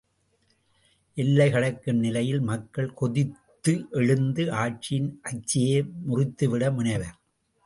எல்லை கடக்கும் நிலையில் மக்கள் கொதித்து எழுந்து ஆட்சியின் அச்சையே முறித்துவிட முனைவர்.